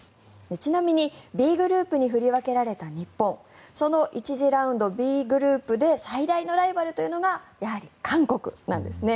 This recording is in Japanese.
ちなみにＢグループに振り分けられた日本その１次ラウンド、Ｂグループで最大のライバルというのがやはり韓国なんですね。